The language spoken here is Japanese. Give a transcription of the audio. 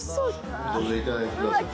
どんどんいただいてください。